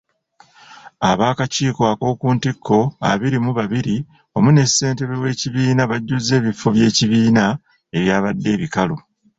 Ab'akakiiko ak'oku ntikko abiri mu babiri wamu ne ssentebe w'ekibiina bajjuzza ebifo by'ekibiina ebyabadde ebikalu.